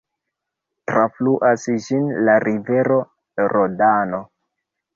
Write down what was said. Trafluas ĝin la rivero Rodano.